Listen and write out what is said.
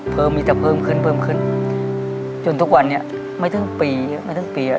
มีแต่เพิ่มขึ้นเพิ่มขึ้นจนทุกวันนี้ไม่ถึงปีไม่ถึงปีอ่ะ